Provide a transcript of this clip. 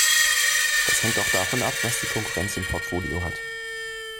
Das hängt auch davon ab, was die Konkurrenz im Portfolio hat.